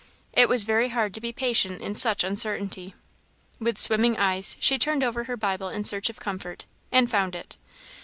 It was very hard to be patient in such uncertainty. With swimming eyes she turned over her Bible in search of comfort, and found it.